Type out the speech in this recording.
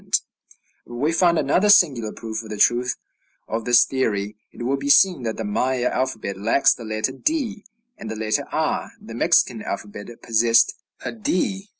But we find another singular proof of the truth of this theory: It will be seen that the Maya alphabet lacks the letter d and the letter r. The Mexican alphabet possessed a d.